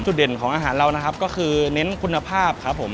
เด่นของอาหารเรานะครับก็คือเน้นคุณภาพครับผม